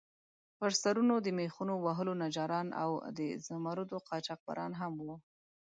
پر سرونو د میخونو وهلو نجاران او د زمُردو قاچاقبران هم وو.